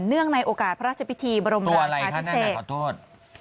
นวงในโอกาสพระราชพิธีบรมราชาพิเศษ